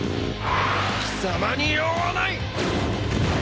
貴様に用はない！